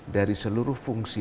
dari seluruh fungsi